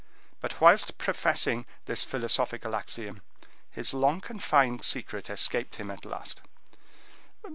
But, whilst professing this philosophical axiom, his long confined secret escaped him at last.